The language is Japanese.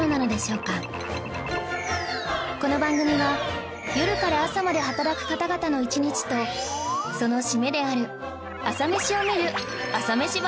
この番組は夜から朝まで働く方々の一日とその締めである朝メシを見る朝メシバラエティーなのです